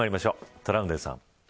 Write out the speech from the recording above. トラウデンさん。